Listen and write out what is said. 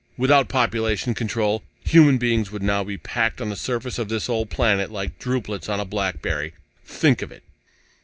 "Without population control, human beings would now be packed on this surface of this old planet like drupelets on a blackberry! Think of it!"